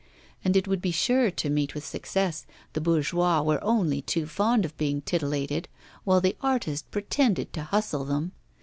And it would be sure to meet with success, the bourgeois were only too fond of being titillated while the artist pretended to hustle them.